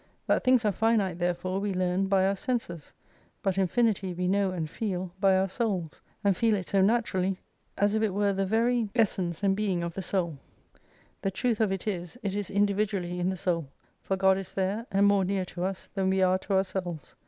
That things are finite therefore we learn by our senses. But infinity we know and feel by our souls : and feel it so naturally, as if it were the very *(?) Infinity. 136 essence and being of the soul. The truth of it is, it is individually in the soul : for God is there, and more near to us than we are to ourselves.